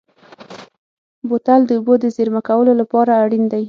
بوتل د اوبو د زېرمه کولو لپاره اړین دی.